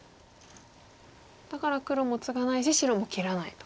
だから黒もツガないし白も切らないと。